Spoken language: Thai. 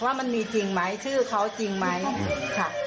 ว่ามันมีจริงไหมชื่อเขาจริงไหมค่ะ